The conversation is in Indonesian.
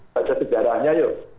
baca sejarahnya yuk